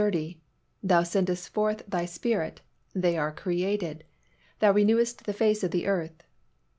30, "Thou sendest forth Thy Spirit, they are created: and Thou renewest the face of the earth."